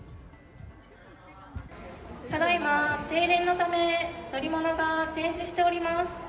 ただいま、停電のため、乗り物が停止しております。